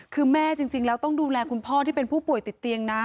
คือแม่จริงแล้วต้องดูแลคุณพ่อที่เป็นผู้ป่วยติดเตียงนะ